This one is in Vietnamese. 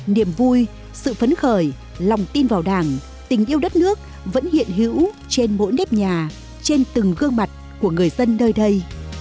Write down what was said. niềm vui sự phấn khởi lòng tin vào đảng tình yêu đất nước vẫn hiện hữu trên mỗi nếp nhà trên từng gương mặt của người dân nơi đây